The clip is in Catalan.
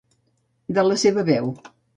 De la seva veu.